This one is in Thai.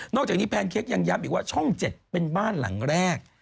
จากนี้แพนเค้กยังย้ำอีกว่าช่อง๗เป็นบ้านหลังแรก